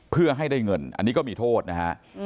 เพื่อให้ได้เงินอันนี้ก็มีโทษนะฮะ